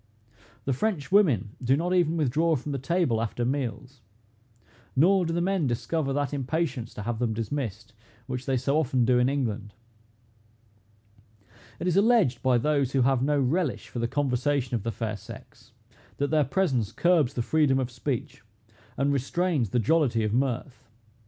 The French women do not even withdraw from the table after meals; nor do the men discover that impatience to have them dismissed, which they so often do in England. It is alleged by those who have no relish for the conversation of the fair sex, that their presence curbs the freedom of speech, and restrains the jollity of mirth.